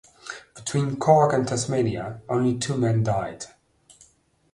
Between Cork and Tasmania only two men died.